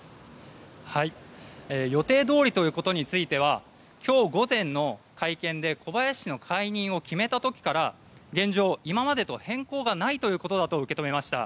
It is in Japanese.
予定どおりということについては今日午前の会見で小林氏の解任を決めた時から現状、今までと変更がないことだと受け止めました。